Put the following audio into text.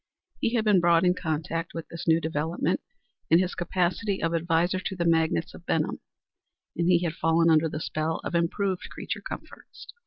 He had been brought in contact with this new development in his capacity of adviser to the magnates of Benham, and he had fallen under the spell of improved creature comforts.